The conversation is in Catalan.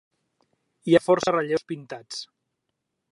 Hi ha força relleus pintats.